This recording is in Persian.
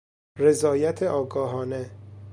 رضایت آگاهانه